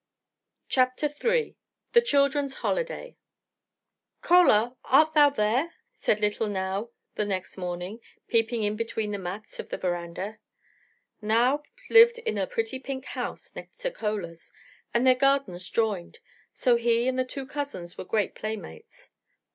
CHAPTER III THE CHILDREN'S HOLIDAY "CHOLA, art thou there?" said little Nao the next morning, peeping in between the mats of the veranda. Nao lived in a pretty pink house next to Chola's, and their gardens joined; so he and the two cousins were great playmates.